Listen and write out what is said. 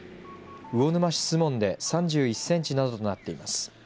魚沼市守門で３１センチなどとなっています。